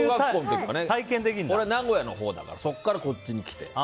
俺は名古屋のほうだからそこからこっちに来て。